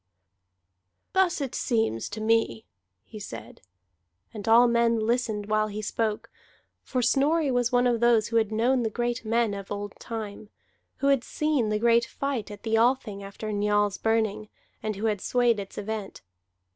"Thus it seems to me," he said, and all men listened while he spoke for Snorri was one of those who had known the great men of old time, who had seen the great fight at the Althing after Njal's Burning, and who had swayed its event.